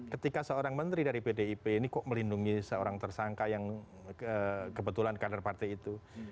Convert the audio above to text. ketika seorang menteri dari pdip ini kok melindungi seorang tersangka yang kebetulan kader partai itu